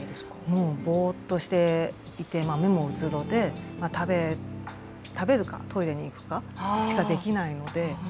もうぼーっとして、目もうつろで食べるかトイレに行くかしかできないので。